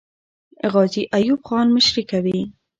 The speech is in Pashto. غازي ایوب خان مشري کوي.